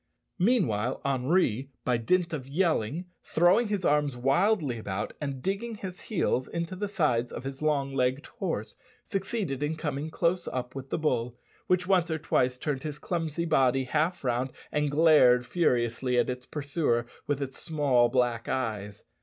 Meanwhile, Henri, by dint of yelling, throwing his arms wildly about, and digging his heels into the sides of his long legged horse, succeeded in coming close up with the bull, which once or twice turned his clumsy body half round and glared furiously at its pursuer with its small black eyes.